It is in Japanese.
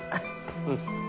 うん。